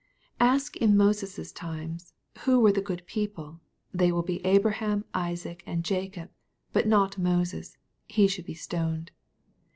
" Ask in Moses's times, who were the good people, they will be Abraham, Isaac, and Jacob, but not Moses — ^he should be stoned.